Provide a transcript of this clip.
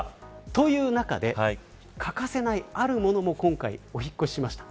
という中で欠かせないあるものも今回お引っ越しました。